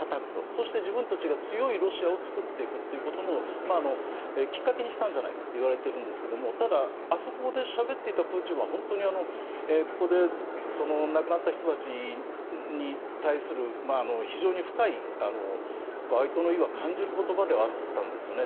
そして自分たちが強いロシアを作っていくということのきっかけにしたんじゃないかといわれているんですけれどもただ、あそこでしゃべっていたプーチンは本当にここで亡くなった人たちに対する非常に深い哀悼の意を感じる言葉ではあったんですね。